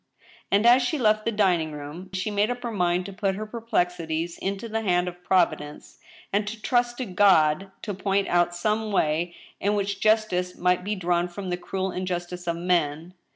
" And, as she left the dining room, she made up her mind to put her perplexities into the hand of Providence, and to trust to God to point out some way in which justice might be drawn from the cruel injustice of men.